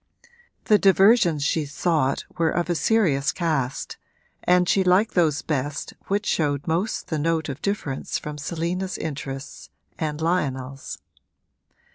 The diversions she sought were of a serious cast and she liked those best which showed most the note of difference from Selina's interests and Lionel's.